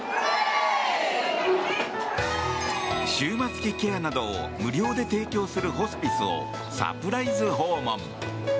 終末期医療などを無料で提供するホスピスをサプライズ訪問。